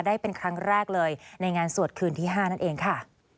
ได้เป็นครั้งแรกเลยในงานสวดคืนที่๕นั่นเองค่ะ